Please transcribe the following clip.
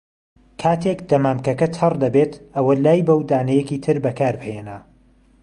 کاتێک دەمامکەکە تەڕ دەبێت، ئەوە لایببە و دانەیەکی تر بەکاربهێنە.